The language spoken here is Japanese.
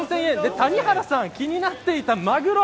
谷原さんが気になっていたマグロ。